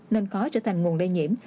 nên khó trở thành nguồn lây nhiễm